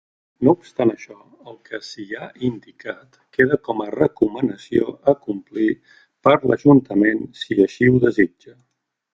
No obstant això, el que s'hi ha indicat queda com a recomanació a complir per l'ajuntament si així ho desitja.